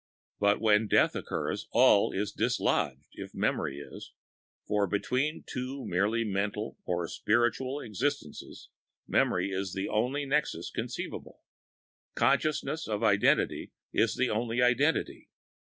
But when death occurs all is dislodged if memory is; for between two merely mental or spiritual existences memory is the only nexus conceivable; consciousness of identity is the only identity.